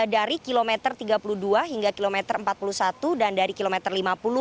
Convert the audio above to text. dari kilometer tiga puluh dua hingga kilometer empat puluh satu dan dari kilometer lima puluh